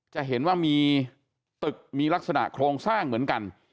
จะเห็นว่ามีตึกมีลักษณะโครงสร้างเหมือนกัน